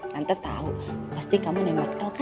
tante tau pasti kamu nemerkel kan